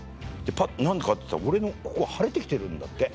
何でかっていったら俺のここ腫れて来てるんだって。